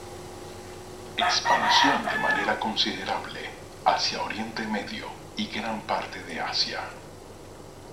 Expansión de manera considerable hacia Oriente medio y gran parte de Asia.